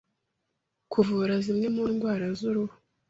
Kuvura zimwe mu ndwara z’uruhu